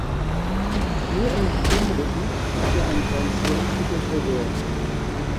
Nur in Wimbledon blieb ihr ein Grand-Slam-Titel verwehrt.